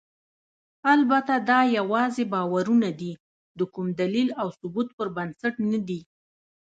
البته دا یواځې باورونه دي، د کوم دلیل او ثبوت پر بنسټ نه دي.